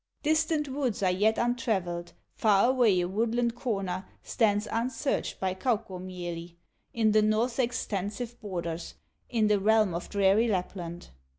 Distant woods are yet untraveled, Far away a woodland corner Stands unsearched by Kaukomieli, In the North's extensive borders, In the realm of dreary Lapland.